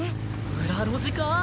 裏路地かぁ。